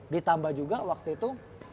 ditambah juga waktu itu